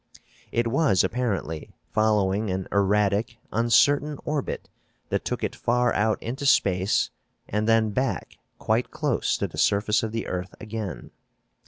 It was, apparently, following an erratic, uncertain orbit that took it far out into space and then back quite close to the surface of the earth again.